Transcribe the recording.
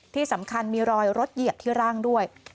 ที่สำคัญมีรอยรถเหยียบที่ร่างด้วย